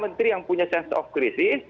menteri yang punya sense of crisis